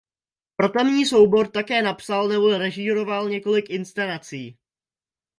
Pro tamní soubor také napsal nebo režíroval několik inscenací.